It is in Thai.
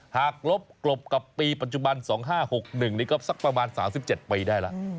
กรบกลบกับปีปัจจุบัน๒๕๖๑นี่ก็สักประมาณ๓๗ปีได้แล้ว